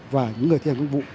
và những người thi hành công vụ